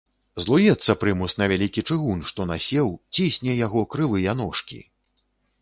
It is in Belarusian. Злуецца прымус на вялікі чыгун, што насеў, цісне яго крывыя ножкі.